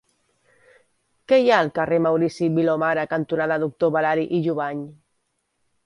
Què hi ha al carrer Maurici Vilomara cantonada Doctor Balari i Jovany?